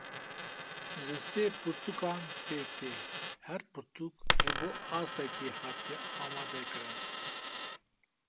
Ji sê pirtûkan pêk tê, her pirtûk ji bo astekê hatiye amadekirin.